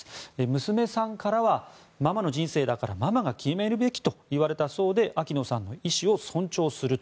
娘さんからはママの人生だからママが決めるべきと言われたそうで秋野さんの意思を尊重すると。